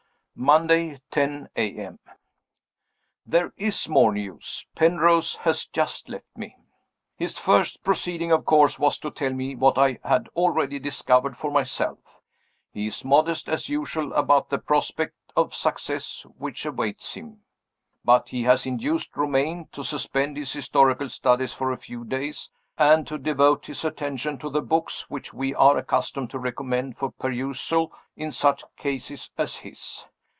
Monday, 10 A.M.. There is more news. Penrose has just left me. His first proceeding, of course, was to tell me what I had already discovered for myself. He is modest, as usual, about the prospect of success which awaits him. But he has induced Romayne to suspend his historical studies for a few days, and to devote his attention to the books which we are accustomed to recommend for perusal in such cases as his.